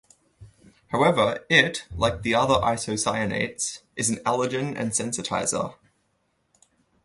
However, it, like the other isocyanates, is an allergen and sensitizer.